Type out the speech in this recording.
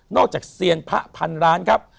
จากเซียนพระพันร้านครับ